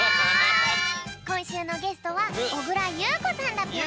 こんしゅうのゲストは小倉優子さんだぴょん。